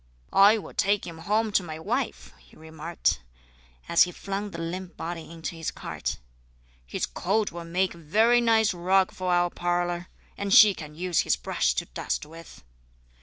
"I will take him home to my wife," he remarked, as he flung the limp body into his cart. "His coat will make a very nice rug for our parlour, and she can use his brush to dust with."